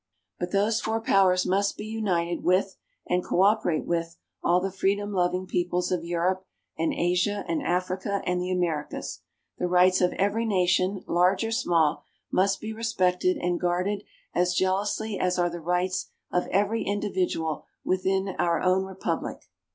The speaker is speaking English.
But those four powers must be united with and cooperate with all the freedom loving peoples of Europe, and Asia, and Africa and the Americas. The rights of every nation, large or small, must be respected and guarded as jealously as are the rights of every individual within our own republic.